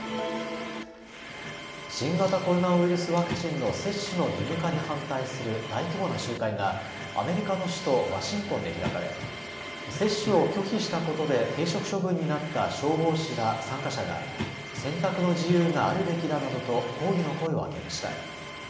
新型コロナウイルスワクチンの接種の義務化に反対する大規模な集会がアメリカの首都ワシントンで開かれ、接種を拒否したことで停職処分になった消防士ら参加者が選択の自由があるべきだなどと抗議の声を上げました。